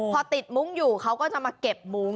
พอติดมุ้งอยู่เขาก็จะมาเก็บมุ้ง